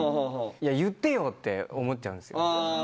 「言ってよ！」って思っちゃうんですよ。